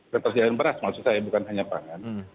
ketersediaan beras maksud saya bukan hanya pangan